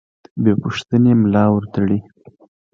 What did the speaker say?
بې پوښتنې ملا ورتړي.